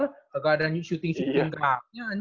nggak ada shooting shooting geraknya anjing